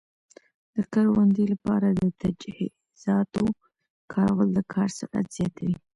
د کروندې لپاره د تجهیزاتو کارول د کار سرعت زیاتوي.